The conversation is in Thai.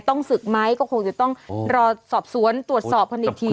ศึกไหมก็คงจะต้องรอสอบสวนตรวจสอบกันอีกที